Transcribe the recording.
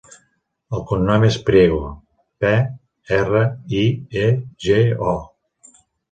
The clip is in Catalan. El cognom és Priego: pe, erra, i, e, ge, o.